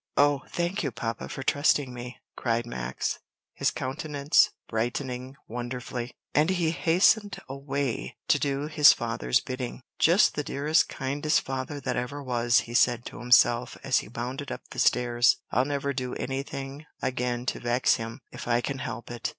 "Oh, thank you, papa, for trusting me!" cried Max, his countenance brightening wonderfully, and he hastened away to do his father's bidding. "Just the dearest, kindest father that ever was!" he said to himself, as he bounded up the stairs. "I'll never do anything again to vex him, if I can help it."